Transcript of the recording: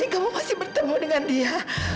jadi kamu masih bertemu dengan dia